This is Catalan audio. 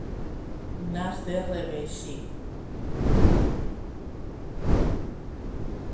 Nas de reveixí.